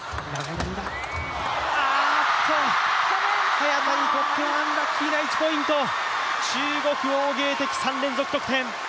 早田にとってはアンラッキーな１ポイント、中国、王ゲイ迪、３連続得点。